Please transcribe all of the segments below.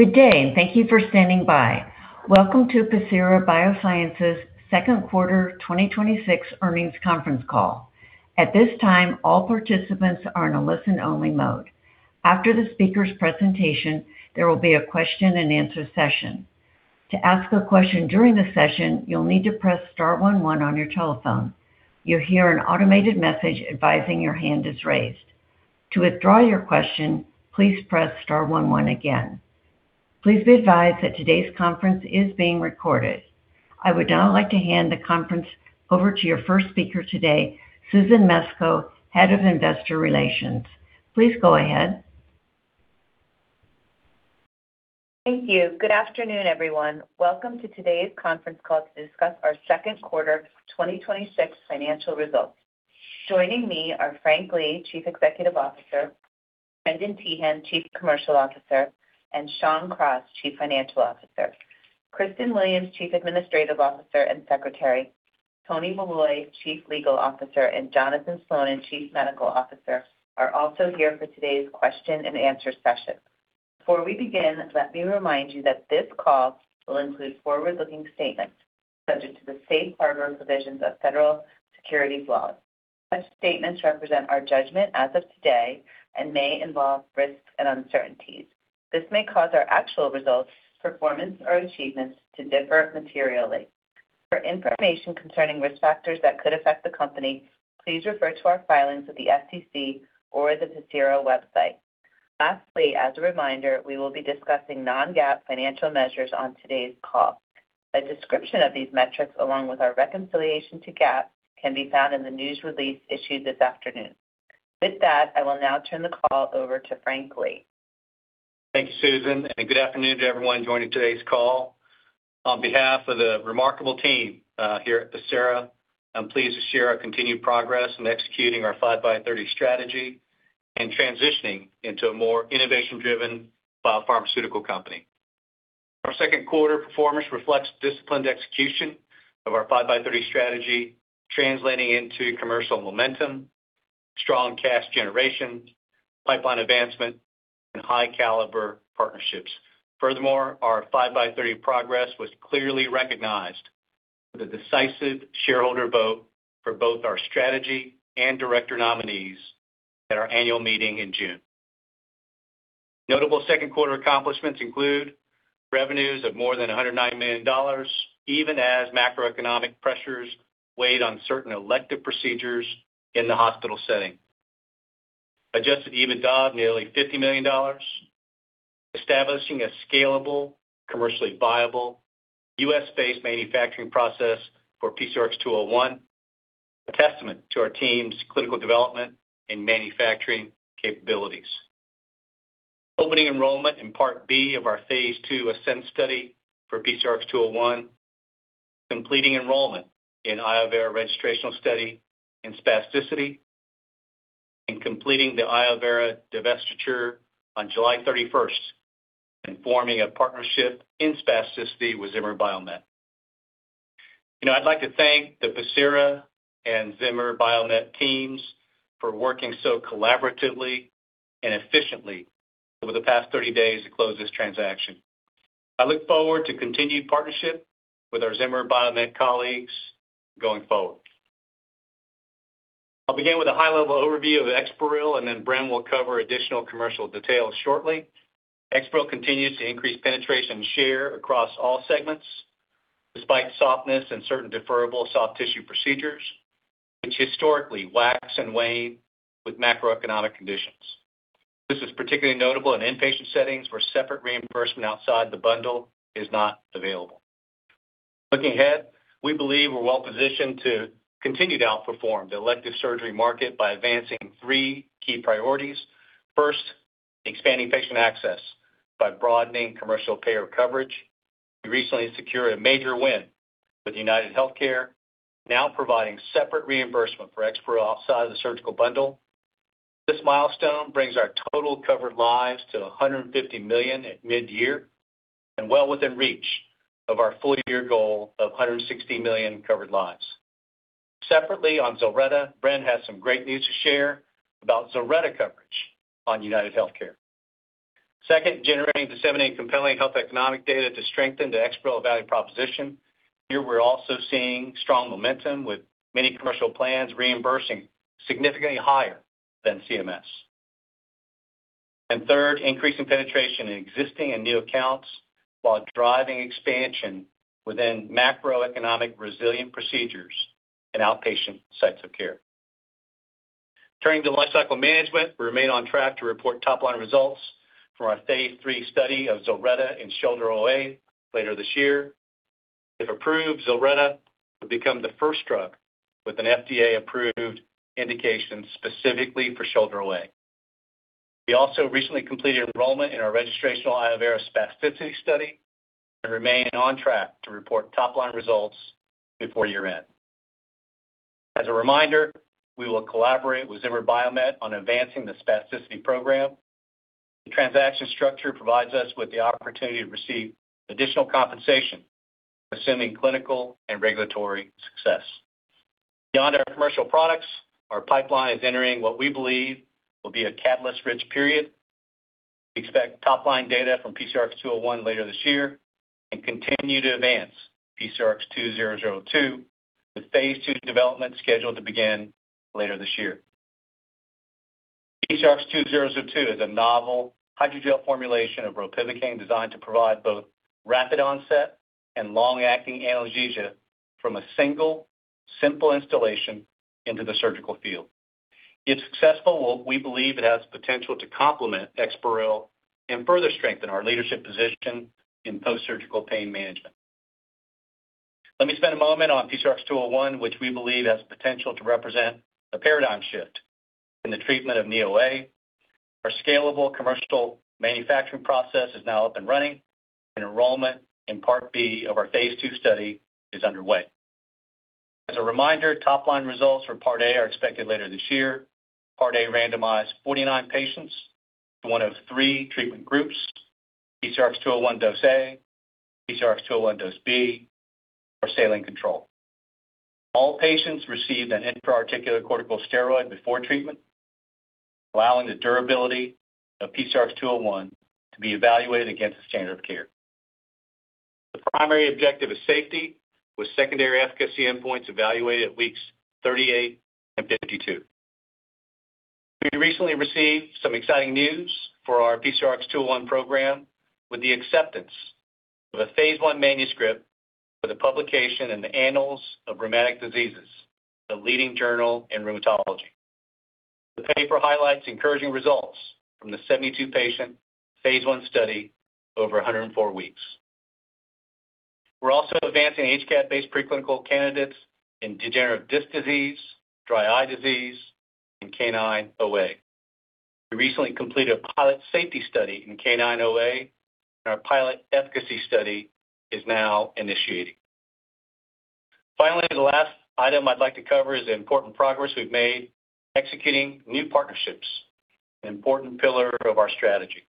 Good day, and thank you for standing by. Welcome to Pacira BioSciences second quarter 2026 earnings conference call. At this time, all participants are in a listen-only mode. After the speaker's presentation, there will be a question and answer session. To ask a question during the session, you'll need to press star one one on your telephone. You'll hear an automated message advising your hand is raised. To withdraw your question, please press star one one again. Please be advised that today's conference is being recorded. I would now like to hand the conference over to your first speaker today, Susan Mesco, Head of Investor Relations. Please go ahead. Thank you. Good afternoon, everyone. Welcome to today's conference call to discuss our second quarter 2026 financial results. Joining me are Frank Lee, Chief Executive Officer, Brendan Teehan, Chief Commercial Officer, and Shawn Cross, Chief Financial Officer. Kristen Williams, Chief Administrative Officer and Secretary, Anthony Molloy, Chief Legal Officer, and Jonathan Slonin, Chief Medical Officer, are also here for today's question and answer session. Before we begin, let me remind you that this call will include forward-looking statements subject to the safe harbor provisions of federal securities laws. Such statements represent our judgment as of today and may involve risks and uncertainties. This may cause our actual results, performance, or achievements to differ materially. For information concerning risk factors that could affect the company, please refer to our filings with the SEC or the Pacira website. Lastly, as a reminder, we will be discussing non-GAAP financial measures on today's call. A description of these metrics, along with our reconciliation to GAAP, can be found in the news release issued this afternoon. With that, I will now turn the call over to Frank Lee. Thank you, Susan, and good afternoon to everyone joining today's call. On behalf of the remarkable team here at Pacira, I'm pleased to share our continued progress in executing our 5x30 strategy and transitioning into a more innovation-driven biopharmaceutical company. Our second quarter performance reflects disciplined execution of our 5x30 strategy, translating into commercial momentum, strong cash generation, pipeline advancement, and high-caliber partnerships. Furthermore, our 5x30 progress was clearly recognized with a decisive shareholder vote for both our strategy and director nominees at our annual meeting in June. Notable second quarter accomplishments include revenues of more than $109 million, even as macroeconomic pressures weighed on certain elective procedures in the hospital setting. Adjusted EBITDA of nearly $50 million. Establishing a scalable, commercially viable U.S.-based manufacturing process for PCRX-201, a testament to our team's clinical development and manufacturing capabilities. Opening enrollment in part B of our phase II ASCEND study for PCRX-201. Completing enrollment in iovera°°registrational study in spasticity, completing the iovera° divestiture on July 31 and forming a partnership in spasticity with Zimmer Biomet. I would like to thank the Pacira and Zimmer Biomet teams for working so collaboratively and efficiently over the past 30 days to close this transaction. I look forward to continued partnership with our Zimmer Biomet colleagues going forward. I will begin with a high-level overview of EXPAREL, and then Bren will cover additional commercial details shortly. EXPAREL continues to increase penetration share across all segments, despite softness in certain deferrable soft tissue procedures, which historically wax and wane with macroeconomic conditions. This is particularly notable in inpatient settings, where separate reimbursement outside the bundle is not available. Looking ahead, we believe we are well positioned to continue to outperform the elective surgery market by advancing three key priorities. First, expanding patient access by broadening commercial payer coverage. We recently secured a major win with UnitedHealthcare, now providing separate reimbursement for EXPAREL outside of the surgical bundle. This milestone brings our total covered lives to 150 million at mid-year and well within reach of our full-year goal of 160 million covered lives. Separately, on ZILRETTA, Bren has some great news to share about ZILRETTA coverage on UnitedHealthcare. Second, generating disseminating compelling health economic data to strengthen the EXPAREL value proposition. Here we are also seeing strong momentum, with many commercial plans reimbursing significantly higher than CMS. Third, increasing penetration in existing and new accounts while driving expansion within macroeconomic resilient procedures and outpatient sites of care. Turning to lifecycle management, we remain on track to report top-line results for our phase III study of ZILRETTA in shoulder OA later this year. If approved, ZILRETTA would become the first drug with an FDA-approved indication specifically for shoulder OA. We also recently completed enrollment in our registrational iovera° spasticity study and remain on track to report top-line results before year-end. As a reminder, we will collaborate with Zimmer Biomet on advancing the spasticity program. The transaction structure provides us with the opportunity to receive additional compensation, assuming clinical and regulatory success. Beyond our commercial products, our pipeline is entering what we believe will be a catalyst-rich period. We expect top-line data from PCRX-201 later this year and continue to advance PCRX-2002 with phase II development scheduled to begin later this year. PCRX-2002 is a novel hydrogel formulation of ropivacaine designed to provide both rapid onset and long-acting analgesia from a single, simple instillation into the surgical field. If successful, we believe it has potential to complement EXPAREL and further strengthen our leadership position in post-surgical pain management. Let me spend a moment on PCRX-201, which we believe has the potential to represent a paradigm shift in the treatment of knee OA. Our scalable commercial manufacturing process is now up and running, and enrollment in part B of our phase II study is underway. As a reminder, top-line results for part A are expected later this year. Part A randomized 49 patients to one of three treatment groups, PCRX-201 Dose A, PCRX-201 Dose B, or saline control. All patients received an intra-articular corticosteroid before treatment, allowing the durability of PCRX-201 to be evaluated against the standard of care. The primary objective is safety, with secondary efficacy endpoints evaluated at weeks 38 and 52. We recently received some exciting news for our PCRX-201 program with the acceptance of a phase I manuscript for the publication in the "Annals of the Rheumatic Diseases," the leading journal in rheumatology. The paper highlights encouraging results from the 72-patient phase I study over 104 weeks. We're also advancing HCAd-based preclinical candidates in degenerative disc disease, dry eye disease, and canine OA. We recently completed a pilot safety study in canine OA, and our pilot efficacy study is now initiating. Finally, the last item I'd like to cover is the important progress we've made executing new partnerships, an important pillar of our strategy.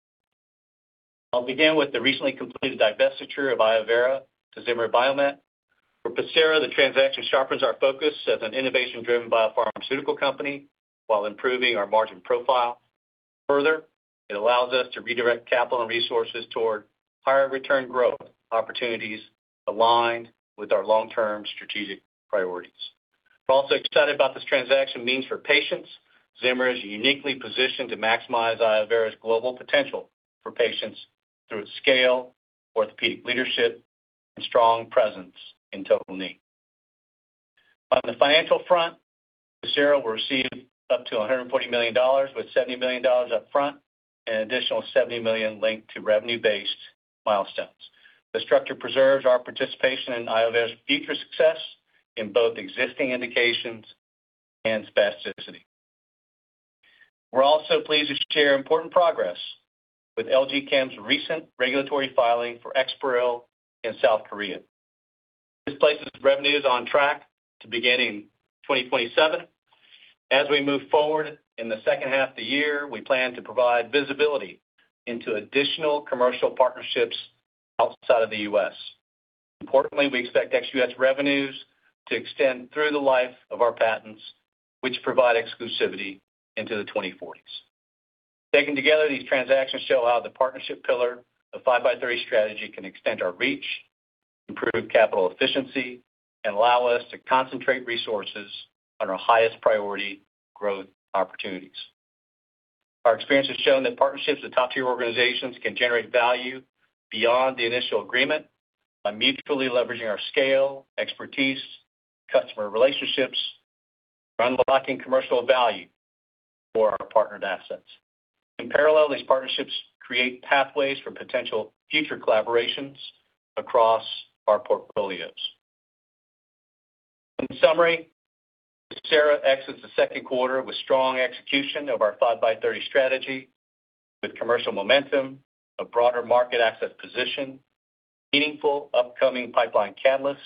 I'll begin with the recently completed divestiture of iovera° to Zimmer Biomet. For Pacira, the transaction sharpens our focus as an innovation-driven biopharmaceutical company while improving our margin profile. It allows us to redirect capital and resources toward higher return growth opportunities aligned with our long-term strategic priorities. We're also excited about this transaction means for patients. Zimmer is uniquely positioned to maximize iovera°'s global potential for patients through its scale, orthopedic leadership, and strong presence in total knee. On the financial front, Pacira will receive up to $140 million, with $70 million up front and an additional $70 million linked to revenue-based milestones. The structure preserves our participation in iovera°'s future success in both existing indications and spasticity. We're also pleased to share important progress with LG Chem's recent regulatory filing for EXPAREL in South Korea. This places revenues on track to beginning 2027. As we move forward in the second half of the year, we plan to provide visibility into additional commercial partnerships outside of the U.S. Importantly, we expect ex-U.S. revenues to extend through the life of our patents, which provide exclusivity into the 2040s. Taken together, these transactions show how the partnership pillar of 5x30 strategy can extend our reach, improve capital efficiency, and allow us to concentrate resources on our highest priority growth opportunities. Our experience has shown that partnerships with top-tier organizations can generate value beyond the initial agreement by mutually leveraging our scale, expertise, customer relationships, and unlocking commercial value for our partnered assets. These partnerships create pathways for potential future collaborations across our portfolios. Pacira exits the second quarter with strong execution of our 5x30 strategy with commercial momentum, a broader market access position, meaningful upcoming pipeline catalysts,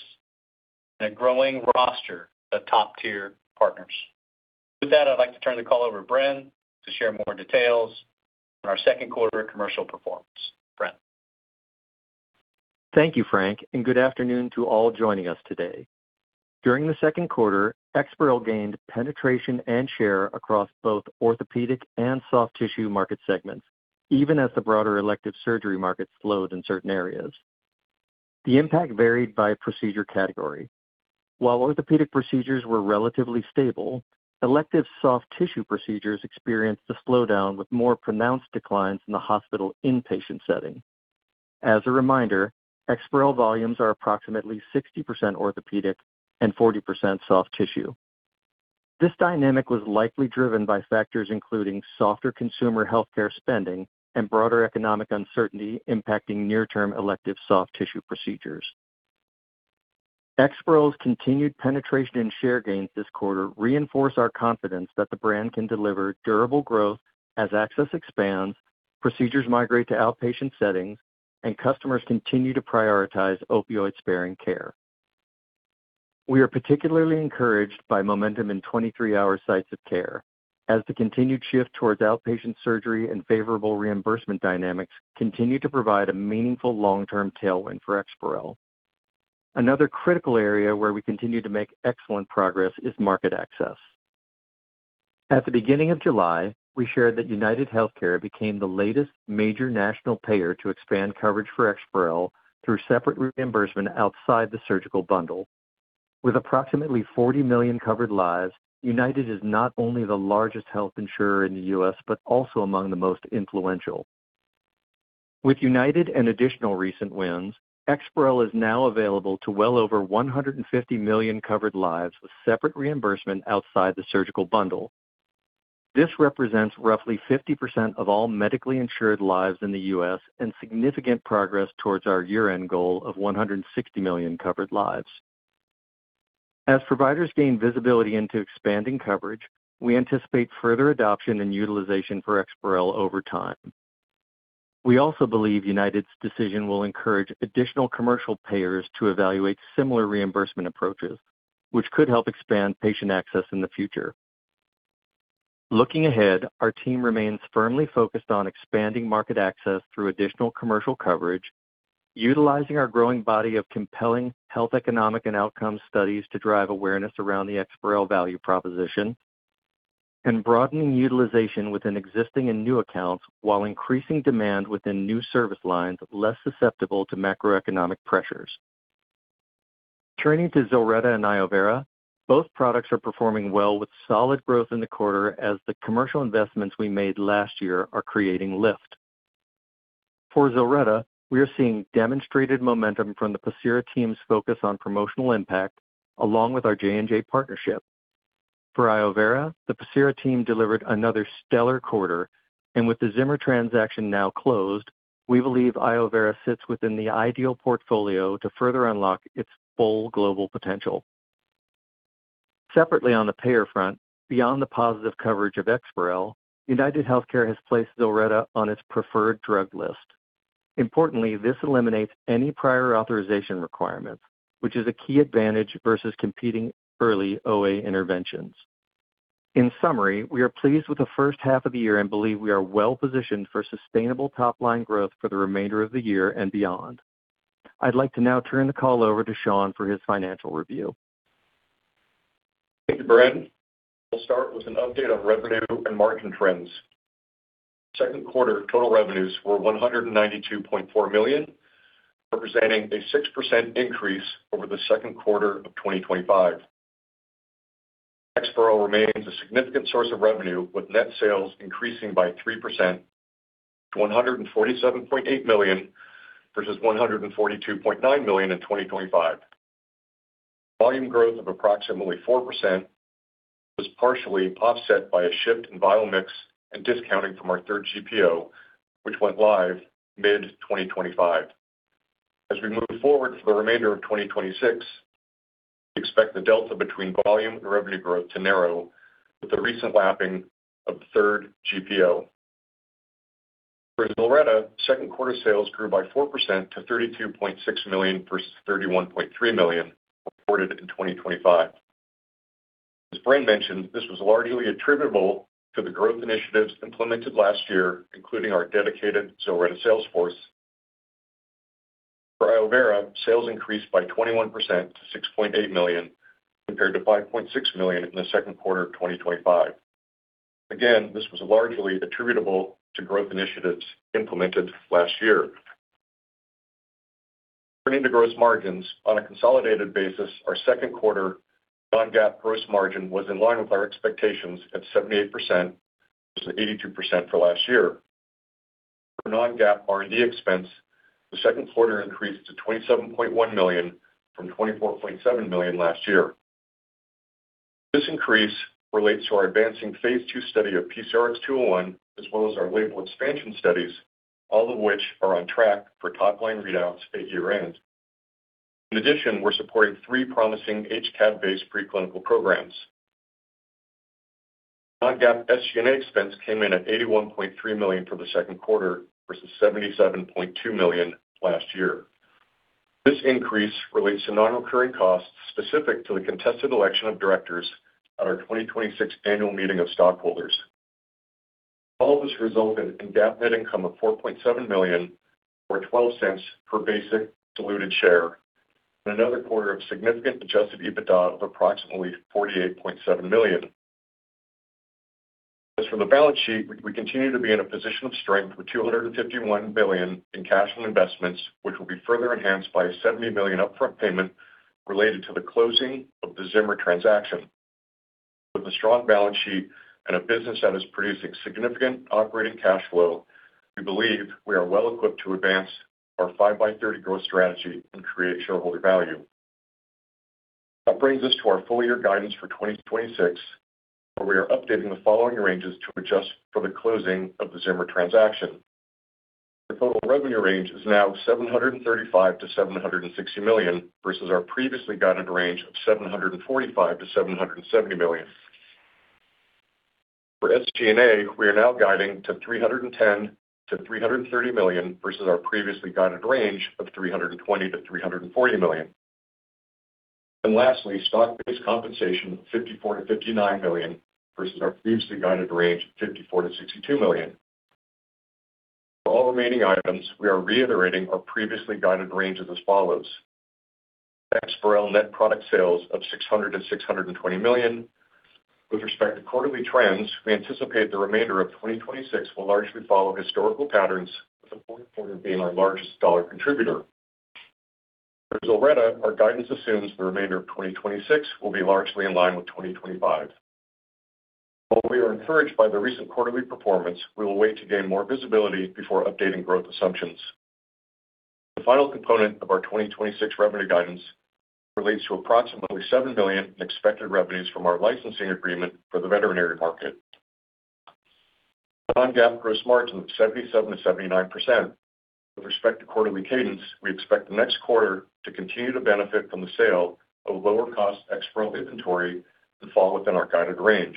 and a growing roster of top-tier partners. With that, I'd like to turn the call over to Bren to share more details on our second quarter commercial performance. Bren. Thank you, Frank, and good afternoon to all joining us today. During the second quarter, EXPAREL gained penetration and share across both orthopedic and soft tissue market segments, even as the broader elective surgery market slowed in certain areas. The impact varied by procedure category. While orthopedic procedures were relatively stable, elective soft tissue procedures experienced a slowdown, with more pronounced declines in the hospital inpatient setting. As a reminder, EXPAREL volumes are approximately 60% orthopedic and 40% soft tissue. This dynamic was likely driven by factors including softer consumer healthcare spending and broader economic uncertainty impacting near-term elective soft tissue procedures. EXPAREL's continued penetration and share gains this quarter reinforce our confidence that the brand can deliver durable growth as access expands, procedures migrate to outpatient settings, and customers continue to prioritize opioid-sparing care. We are particularly encouraged by momentum in 23-hour sites of care As the continued shift towards outpatient surgery and favorable reimbursement dynamics continue to provide a meaningful long-term tailwind for EXPAREL. Another critical area where we continue to make excellent progress is market access. At the beginning of July, we shared that UnitedHealthcare became the latest major national payer to expand coverage for EXPAREL through separate reimbursement outside the surgical bundle. With approximately 40 million covered lives, United is not only the largest health insurer in the U.S. but also among the most influential. With United and additional recent wins, EXPAREL is now available to well over 150 million covered lives with separate reimbursement outside the surgical bundle. This represents roughly 50% of all medically insured lives in the U.S. and significant progress towards our year-end goal of 160 million covered lives. As providers gain visibility into expanding coverage, we anticipate further adoption and utilization for EXPAREL over time. We also believe United's decision will encourage additional commercial payers to evaluate similar reimbursement approaches, which could help expand patient access in the future. Looking ahead, our team remains firmly focused on expanding market access through additional commercial coverage, utilizing our growing body of compelling health, economic, and outcomes studies to drive awareness around the EXPAREL value proposition, and broadening utilization within existing and new accounts, while increasing demand within new service lines less susceptible to macroeconomic pressures. Turning to ZILRETTA and iovera°, both products are performing well with solid growth in the quarter as the commercial investments we made last year are creating lift. For ZILRETTA, we are seeing demonstrated momentum from the Pacira team's focus on promotional impact along with our J&J partnership. For iovera°, the Pacira team delivered another stellar quarter, and with the Zimmer transaction now closed, we believe iovera° sits within the ideal portfolio to further unlock its full global potential. Separately, on the payer front, beyond the positive coverage of EXPAREL, UnitedHealthcare has placed ZILRETTA on its preferred drug list. Importantly, this eliminates any prior authorization requirements, which is a key advantage versus competing early OA interventions. In summary, we are pleased with the first half of the year and believe we are well-positioned for sustainable top-line growth for the remainder of the year and beyond. I'd like to now turn the call over to Shawn for his financial review. Thank you, Bren. We'll start with an update on revenue and margin trends. Second quarter total revenues were $192.4 million, representing a 6% increase over the second quarter of 2025. EXPAREL remains a significant source of revenue, with net sales increasing by 3% to $147.8 million, versus $142.9 million in 2025. Volume growth of approximately 4% was partially offset by a shift in vial mix and discounting from our third GPO, which went live mid-2025. As we move forward for the remainder of 2026, we expect the delta between volume and revenue growth to narrow with the recent lapping of third GPO. For ZILRETTA, second quarter sales grew by 4% to $32.6 million versus $31.3 million reported in 2025. As Bren mentioned, this was largely attributable to the growth initiatives implemented last year, including our dedicated ZILRETTA sales force. For iovera°, sales increased by 21% to $6.8 million, compared to $5.6 million in the second quarter of 2025. Again, this was largely attributable to growth initiatives implemented last year. Turning to gross margins, on a consolidated basis, our second quarter non-GAAP gross margin was in line with our expectations at 78%, versus 82% for last year. For non-GAAP R&D expense, the second quarter increased to $27.1 million from $24.7 million last year. This increase relates to our advancing phase II study of PCRX-201, as well as our label expansion studies, all of which are on track for top-line readouts at year-end. In addition, we're supporting three promising HCAd-based preclinical programs. Non-GAAP SG&A expense came in at $81.3 million for the second quarter versus $77.2 million last year. This increase relates to non-recurring costs specific to the contested election of directors at our 2026 annual meeting of stockholders. All of this resulted in GAAP net income of $4.7 million, or $0.12 per basic diluted share, and another quarter of significant adjusted EBITDA of approximately $48.7 million. As for the balance sheet, we continue to be in a position of strength with $251 million in cash and investments, which will be further enhanced by a $70 million upfront payment related to the closing of the Zimmer transaction. With a strong balance sheet and a business that is producing significant operating cash flow, we believe we are well equipped to advance our Five by Thirty growth strategy and create shareholder value. That brings us to our full-year guidance for 2026, where we are updating the following ranges to adjust for the closing of the Zimmer transaction. The total revenue range is now $735 million-$760 million, versus our previously guided range of $745 million-$770 million. For SG&A, we are now guiding to $310 million-$330 million versus our previously guided range of $320 million-$340 million. Lastly, stock-based compensation of $54 million-$59 million versus our previously guided range of $54 million-$62 million. For all remaining items, we are reiterating our previously guided ranges as follows. EXPAREL net product sales of $600 million-$620 million. With respect to quarterly trends, we anticipate the remainder of 2026 will largely follow historical patterns, with the fourth quarter being our largest dollar contributor. For ZILRETTA, our guidance assumes the remainder of 2026 will be largely in line with 2025. While we are encouraged by the recent quarterly performance, we will wait to gain more visibility before updating growth assumptions. The final component of our 2026 revenue guidance relates to approximately $7 million in expected revenues from our licensing agreement for the veterinary market. Non-GAAP gross margin of 77%-79%. With respect to quarterly cadence, we expect the next quarter to continue to benefit from the sale of lower cost EXPAREL inventory to fall within our guided range.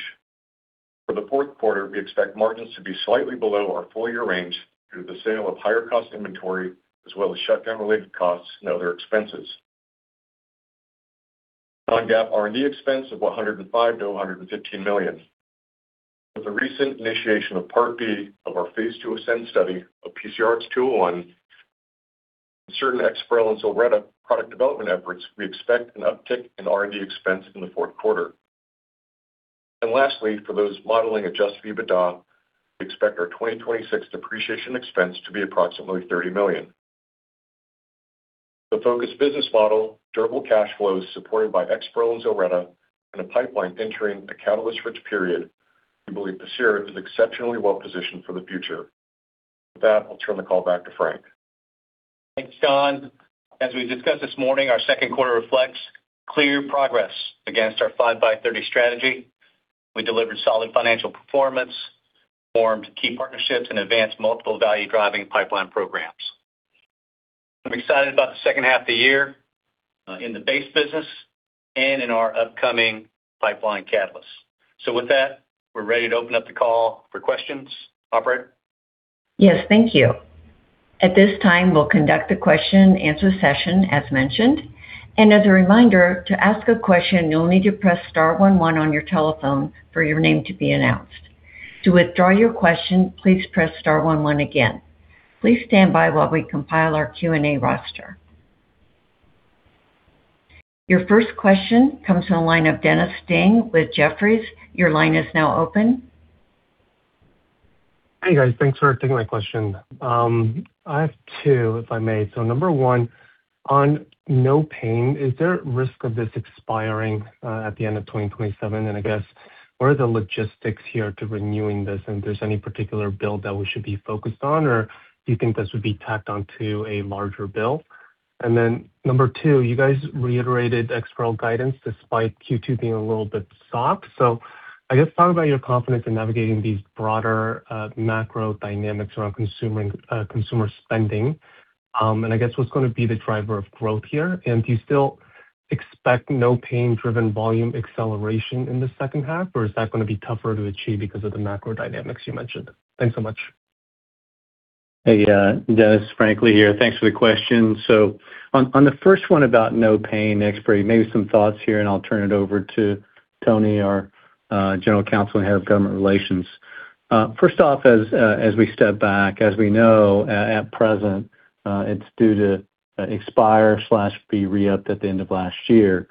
For the fourth quarter, we expect margins to be slightly below our full-year range due to the sale of higher cost inventory as well as shutdown-related costs and other expenses. Non-GAAP R&D expense of $105 million-$115 million. With the recent initiation of part B of our phase II ASCEND study of PCRX-201 in certain EXPAREL and ZILRETTA product development efforts, we expect an uptick in R&D expense in the fourth quarter. Lastly, for those modeling adjusted EBITDA, we expect our 2026 depreciation expense to be approximately $30 million. With a focused business model, durable cash flows supported by EXPAREL and ZILRETTA, and a pipeline entering a catalyst-rich period, we believe Pacira is exceptionally well positioned for the future. With that, I'll turn the call back to Frank. Thanks, Shawn. As we discussed this morning, our second quarter reflects clear progress against our 5x30 strategy. We delivered solid financial performance, formed key partnerships, and advanced multiple value-driving pipeline programs. I'm excited about the second half of the year, in the base business and in our upcoming pipeline catalysts. With that, we're ready to open up the call for questions. Operator? Yes, thank you. At this time, we'll conduct a question and answer session as mentioned. As a reminder, to ask a question, you'll need to press star one one on your telephone for your name to be announced. To withdraw your question, please press star one one again. Please stand by while we compile our Q&A roster. Your first question comes from the line of Dennis Ding with Jefferies. Your line is now open. Hey, guys. Thanks for taking my question. I have two, if I may. Number one, on NOPAIN, is there a risk of this expiring at the end of 2027? I guess, what are the logistics here to renewing this? There's any particular bill that we should be focused on, or do you think this would be tacked onto a larger bill? Number two, you guys reiterated EXPAREL guidance despite Q2 being a little bit soft. I guess talk about your confidence in navigating these broader macro dynamics around consumer spending. I guess what's going to be the driver of growth here? Do you still expect NOPAIN Act-driven volume acceleration in the second half, or is that going to be tougher to achieve because of the macro dynamics you mentioned? Thanks so much. Hey Dennis, Frank Lee here. Thanks for the question. On the first one about NOPAIN EXPAREL, maybe some thoughts here, and I'll turn it over to Tony, our General Counsel and Head of Government Relations. First off, as we step back, as we know at present it's due to expire/be re-upped at the end of last year.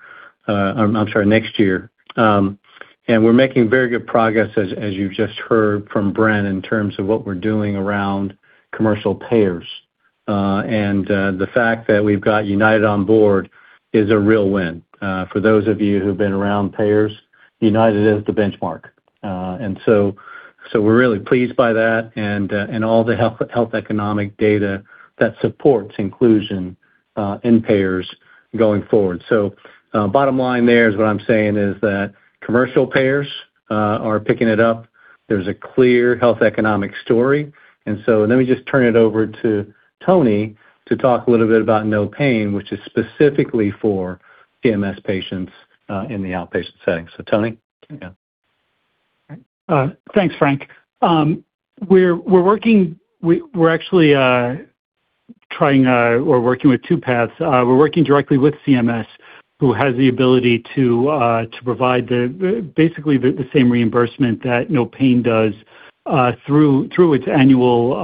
I'm sorry, next year. We're making very good progress, as you've just heard from Bren, in terms of what we're doing around commercial payers. The fact that we've got UnitedHealthcare on board is a real win. For those of you who've been around payers, UnitedHealthcare is the benchmark. We're really pleased by that and all the health economic data that supports inclusion in payers going forward. Bottom line there is what I'm saying is that commercial payers are picking it up. There's a clear health economic story. Let me just turn it over to Tony to talk a little bit about NOPAIN, which is specifically for CMS patients in the outpatient setting. Tony? Yeah. Thanks, Frank. We're working with two paths. We're working directly with CMS, who has the ability to provide basically the same reimbursement that NOPAIN does through its annual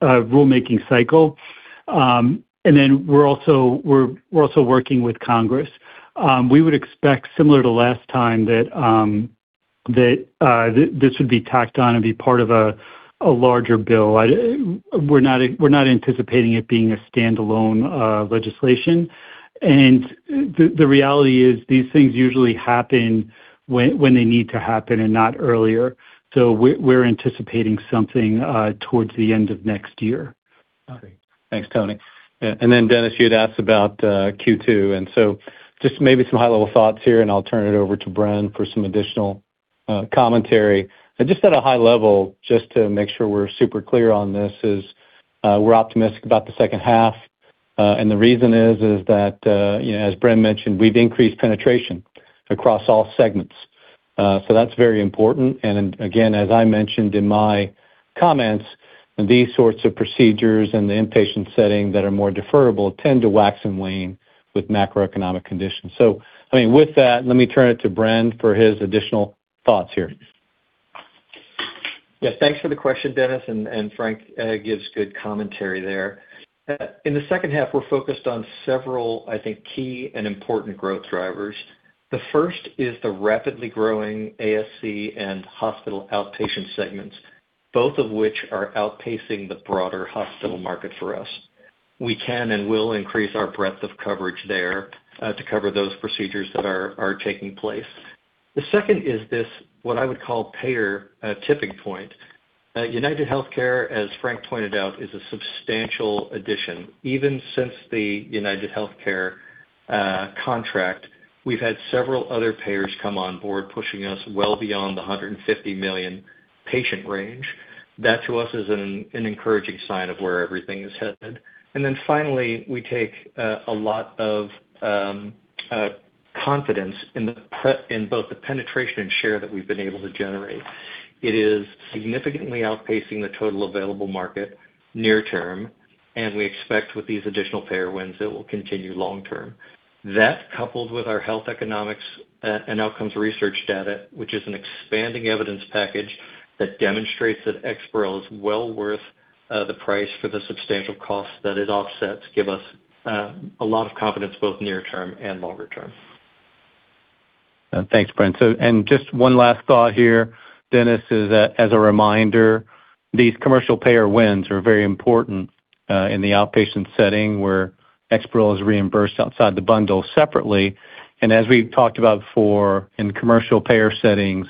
rulemaking cycle. We're also working with Congress. We would expect similar to last time that this would be tacked on and be part of a larger bill. We're not anticipating it being a standalone legislation. The reality is these things usually happen when they need to happen and not earlier. We're anticipating something towards the end of next year. Great. Thanks, Tony. Dennis, you had asked about Q2. Just maybe some high-level thoughts here. I'll turn it over to Bren for some additional commentary. Just at a high level, just to make sure we're super clear on this is we're optimistic about the second half. The reason is that as Bren mentioned, we've increased penetration across all segments. That's very important. Again, as I mentioned in my comments, these sorts of procedures in the inpatient setting that are more deferrable tend to wax and wane with macroeconomic conditions. With that, let me turn it to Bren for his additional thoughts here. Yes, thanks for the question, Dennis. Frank gives good commentary there. In the second half, we're focused on several, I think, key and important growth drivers. The first is the rapidly growing ASC and hospital outpatient segments, both of which are outpacing the broader hospital market for us. We can and will increase our breadth of coverage there to cover those procedures that are taking place. The second is this, what I would call payer tipping point. UnitedHealthcare, as Frank pointed out, is a substantial addition. Even since the UnitedHealthcare contract, we've had several other payers come on board, pushing us well beyond the 150 million patient range. That to us is an encouraging sign of where everything is headed. Finally, we take a lot of confidence in both the penetration and share that we've been able to generate. It is significantly outpacing the total available market near term. We expect with these additional payer wins, it will continue long term. That, coupled with our health economics and outcomes research data, which is an expanding evidence package that demonstrates that EXPAREL is well worth the price for the substantial cost that it offsets give us a lot of confidence both near term and longer term. Thanks, Bren. Just one last thought here, Dennis, is that as a reminder, these commercial payer wins are very important in the outpatient setting where EXPAREL is reimbursed outside the bundle separately. As we've talked about before in commercial payer settings,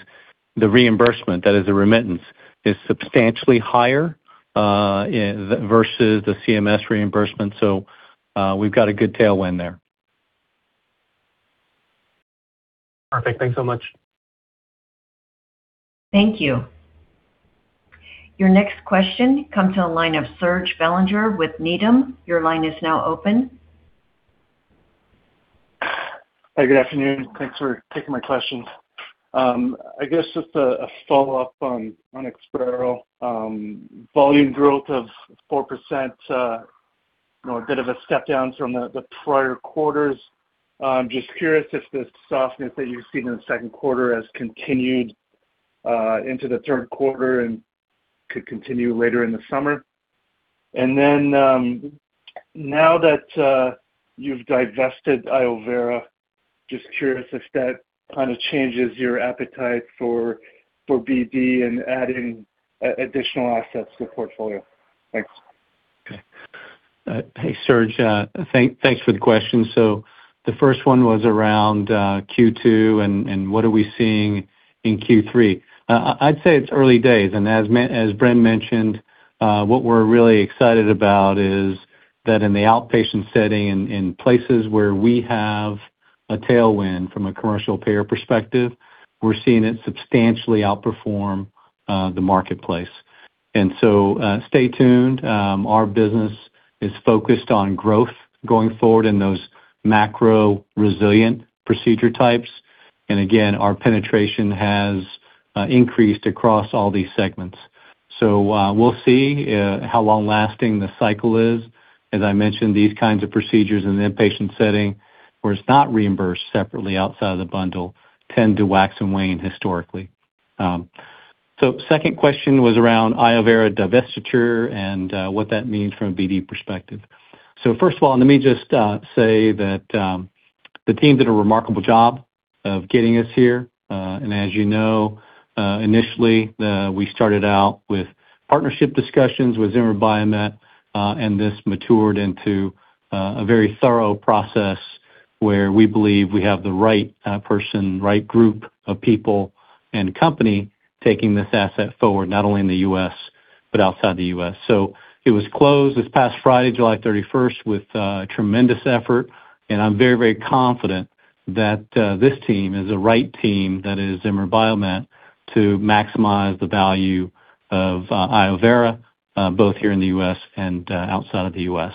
the reimbursement, that is the remittance, is substantially higher versus the CMS reimbursement. We've got a good tailwind there. Perfect. Thanks so much. Thank you. Your next question comes to the line of Serge Belanger with Needham. Your line is now open. Hi, good afternoon. Thanks for taking my questions. I guess just a follow-up on EXPAREL. Volume growth of 4%, a bit of a step down from the prior quarters. Just curious if the softness that you've seen in the second quarter has continued into the third quarter and could continue later in the summer? Now that you've divested iovera°, just curious if that kind of changes your appetite for BD and adding additional assets to the portfolio? Thanks. Okay. Hey, Serge. Thanks for the question. The first one was around Q2 and what are we seeing in Q3. I'd say it's early days, and as Bren mentioned, what we're really excited about is that in the outpatient setting, in places where we have a tailwind from a commercial payer perspective, we're seeing it substantially outperform the marketplace. Stay tuned. Our business is focused on growth going forward in those macro resilient procedure types. Again, our penetration has increased across all these segments. We'll see how long lasting the cycle is. As I mentioned, these kinds of procedures in the inpatient setting, where it's not reimbursed separately outside of the bundle, tend to wax and wane historically. Second question was around iovera° divestiture and what that means from a BD perspective. First of all, let me just say that the team did a remarkable job of getting us here. As you know, initially, we started out with partnership discussions with Zimmer Biomet, and this matured into a very thorough process where we believe we have the right person, right group of people and company taking this asset forward, not only in the U.S., but outside the U.S. It was closed this past Friday, July 31st, with tremendous effort, and I'm very, very confident that this team is the right team that is Zimmer Biomet to maximize the value of iovera°, both here in the U.S. and outside of the U.S.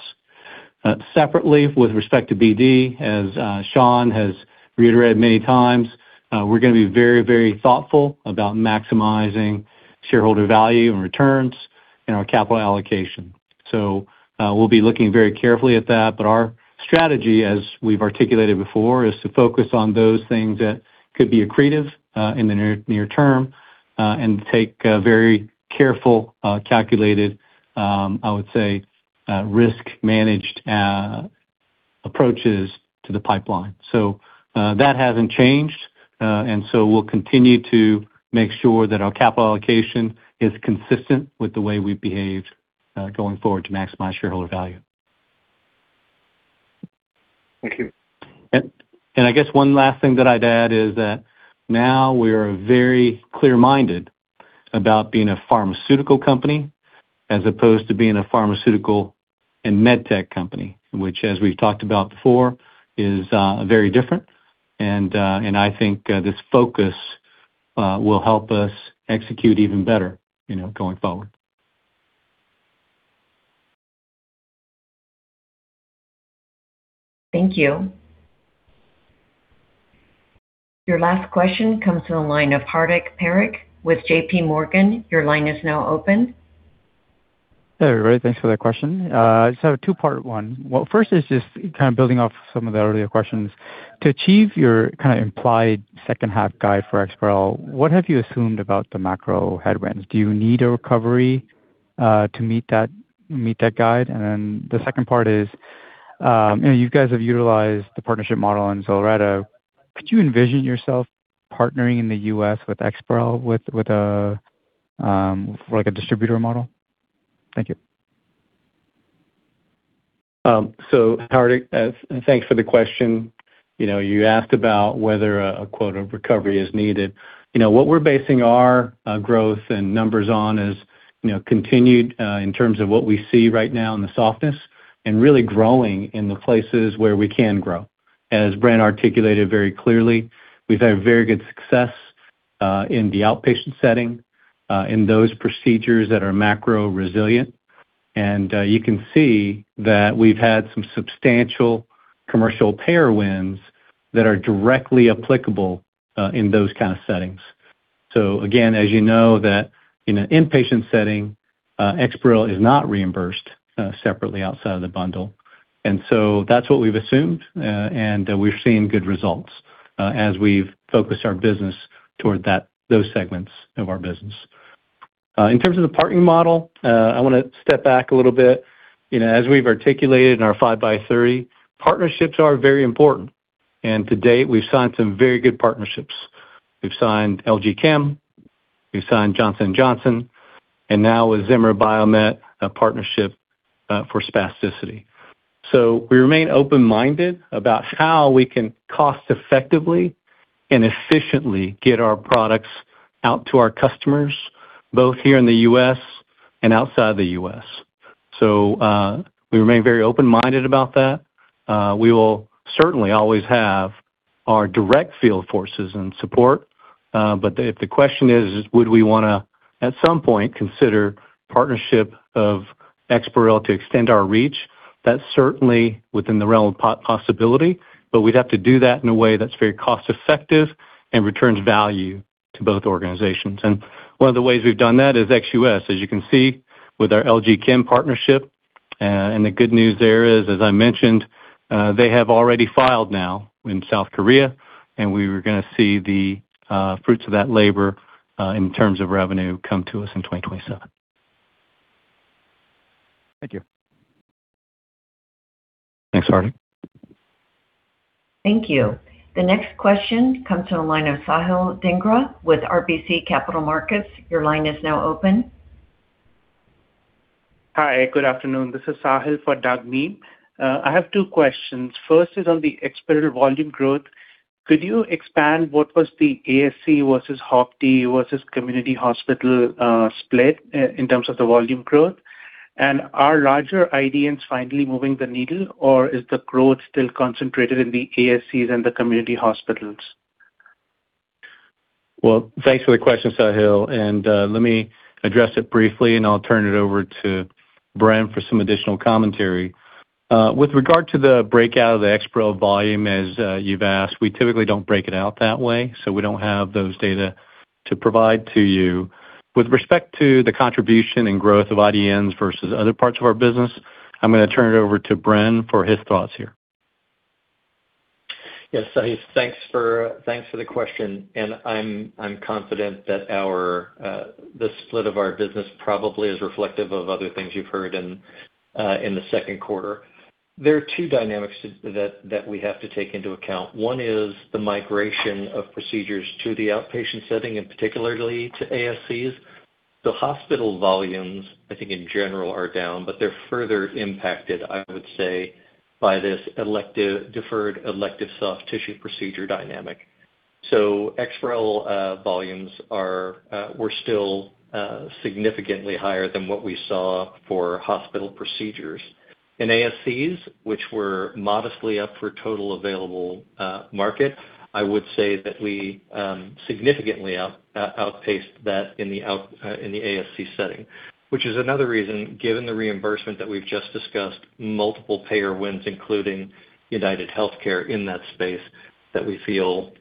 Separately, with respect to BD, as Shawn has reiterated many times, we're going to be very, very thoughtful about maximizing shareholder value and returns in our capital allocation. We'll be looking very carefully at that. Our strategy, as we've articulated before, is to focus on those things that could be accretive in the near term and take very careful, calculated, I would say, risk-managed approaches to the pipeline. That hasn't changed. We'll continue to make sure that our capital allocation is consistent with the way we've behaved going forward to maximize shareholder value. Thank you. I guess one last thing that I'd add is that now we are very clear-minded about being a pharmaceutical company as opposed to being a pharmaceutical and med tech company, which as we've talked about before, is very different. I think this focus will help us execute even better going forward. Thank you. Your last question comes from the line of Hardik Parikh with JPMorgan. Your line is now open. Hey, everybody. Thanks for that question. Two-part one. First is just kind of building off some of the earlier questions. To achieve your kind of implied second half guide for EXPAREL, what have you assumed about the macro headwinds? Do you need a recovery to meet that guide? Then the second part is, you guys have utilized the partnership model in ZILRETTA. Could you envision yourself partnering in the U.S. with EXPAREL with a distributor model? Thank you. Hardik, thanks for the question. You asked about whether a quote, "A recovery is needed." What we're basing our growth and numbers on is continued in terms of what we see right now in the softness and really growing in the places where we can grow. As Bren articulated very clearly, we've had very good success in the outpatient setting, in those procedures that are macro resilient. You can see that we've had some substantial commercial payer wins that are directly applicable in those kind of settings. Again, as you know that in an inpatient setting, EXPAREL is not reimbursed separately outside of the bundle. That's what we've assumed, and we're seeing good results as we've focused our business toward those segments of our business. In terms of the partnering model, I want to step back a little bit. As we've articulated in our 5x30, partnerships are very important. To date, we've signed some very good partnerships. We've signed LG Chem, we've signed Johnson & Johnson, and now with Zimmer Biomet, a partnership for spasticity. We remain open-minded about how we can cost-effectively and efficiently get our products out to our customers, both here in the U.S. and outside the U.S. We remain very open-minded about that. We will certainly always have our direct field forces and support. If the question is, would we want to, at some point, consider partnership of EXPAREL to extend our reach, that's certainly within the realm of possibility, but we'd have to do that in a way that's very cost-effective and returns value to both organizations. One of the ways we've done that is ExUS, as you can see with our LG Chem partnership. The good news there is, as I mentioned, they have already filed now in South Korea, and we are going to see the fruits of that labor in terms of revenue come to us in 2027. Thank you. Thanks, Hardik. Thank you. The next question comes from the line of Sahil Dhingra with RBC Capital Markets. Your line is now open. Hi, good afternoon. This is Sahil for [Dag Min]. I have two questions. First is on the EXPAREL volume growth. Could you expand what was the ASC versus HOPD versus community hospital split in terms of the volume growth? Are larger IDNs finally moving the needle, or is the growth still concentrated in the ASCs and the community hospitals? Well, thanks for the question, Sahil, and let me address it briefly, and I'll turn it over to Brendan for some additional commentary. With regard to the breakout of the EXPAREL volume, as you've asked, we typically don't break it out that way, so we don't have those data to provide to you. With respect to the contribution and growth of IDNs versus other parts of our business, I'm going to turn it over to Brendan for his thoughts here. Yes, Sahil, thanks for the question, and I'm confident that the split of our business probably is reflective of other things you've heard in the second quarter. There are two dynamics that we have to take into account. One is the migration of procedures to the outpatient setting, and particularly to ASCs. The hospital volumes, I think, in general, are down, but they're further impacted, I would say, by this deferred elective soft tissue procedure dynamic. EXPAREL volumes were still significantly higher than what we saw for hospital procedures. In ASCs, which were modestly up for total available market, I would say that we significantly outpaced that in the ASC setting. Which is another reason, given the reimbursement that we've just discussed, multiple payer wins, including UnitedHealthcare in that space, that we feel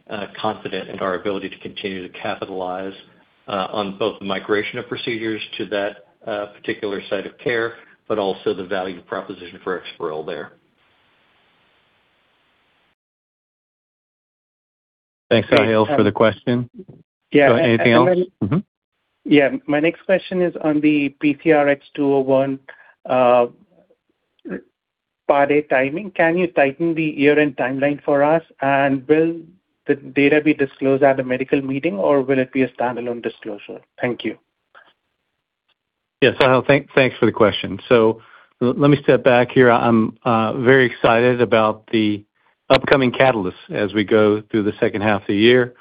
confident in our ability to continue to capitalize on both the migration of procedures to that particular site of care, but also the value proposition for EXPAREL there. Thanks, Sahil, for the question. Anything else? Yeah. My next question is on the PCRX-201 Part A timing. Can you tighten the year-end timeline for us? Will the data be disclosed at a medical meeting, or will it be a standalone disclosure? Thank you. Yeah, Sahil. Thanks for the question. Let me step back here. I'm very excited about the upcoming catalysts as we go through the second half of the year.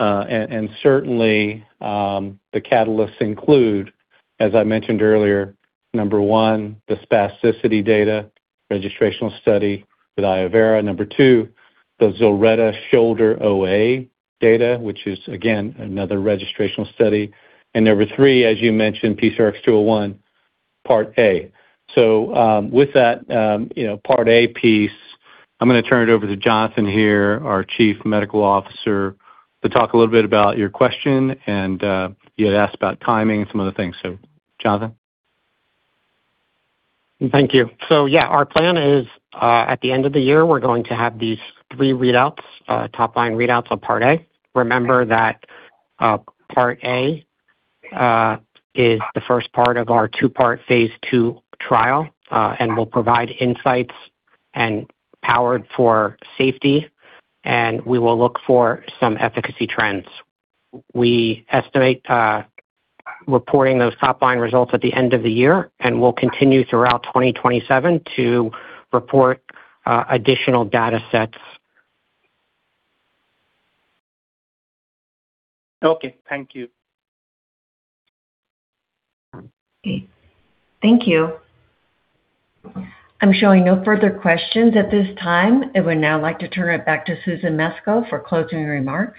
Certainly, the catalysts include, as I mentioned earlier, number one, the spasticity data registrational study with iovera°. Number two, the ZILRETTA shoulder OA data, which is, again, another registrational study. Number three, as you mentioned, PCRX-201 Part A. With that Part A piece, I'm going to turn it over to Jonathan here, our Chief Medical Officer, to talk a little bit about your question, and you had asked about timing and some other things. Jonathan? Thank you. Yeah, our plan is at the end of the year, we're going to have these three readouts, top-line readouts on part A. Remember that part A is the first part of our two-part phase II trial and will provide insights and powered for safety, and we will look for some efficacy trends. We estimate reporting those top-line results at the end of the year. We'll continue throughout 2027 to report additional data sets. Okay. Thank you. Okay. Thank you. I'm showing no further questions at this time. I would now like to turn it back to Susan Mesco for closing remarks.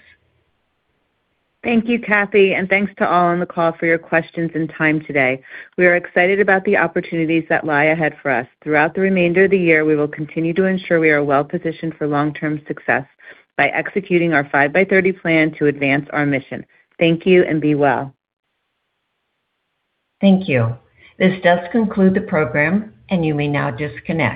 Thank you, Kathy, and thanks to all on the call for your questions and time today. We are excited about the opportunities that lie ahead for us. Throughout the remainder of the year, we will continue to ensure we are well-positioned for long-term success by executing our 5x30 plan to advance our mission. Thank you, and be well. Thank you. This does conclude the program, and you may now disconnect.